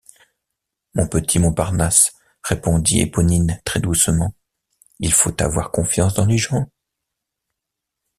Mon petit Montparnasse, répondit Éponine très doucement, il faut avoir confiance dans les gens.